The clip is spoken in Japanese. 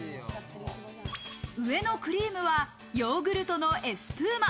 上のクリームはヨーグルトのエスプーマ。